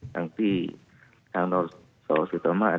ทางที่ทางณสศสศอันดี